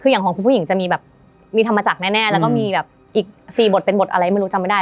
คืออย่างของคุณผู้หญิงจะมีแบบมีธรรมจักรแน่แล้วก็มีแบบอีก๔บทเป็นบทอะไรไม่รู้จำไม่ได้